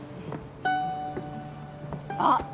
あっ！